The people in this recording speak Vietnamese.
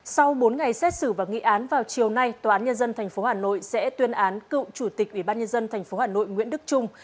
sau bốn ngày xét xử và nghị án vào chiều nay tòa án nhân dân tp hà nội sẽ tuyên án cựu chủ tịch ủy ban nhân dân tp hà nội nguyễn đức trung